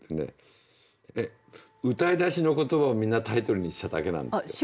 歌い出しの言葉をみんなタイトルにしただけなんですよ。